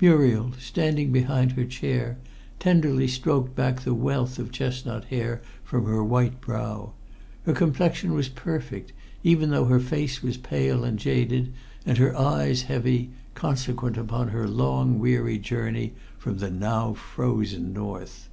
Muriel, standing behind her chair, tenderly stroked back the wealth of chestnut hair from her white brow. Her complexion was perfect, even though her face was pale and jaded, and her eyes heavy, consequent upon her long, weary journey from the now frozen North.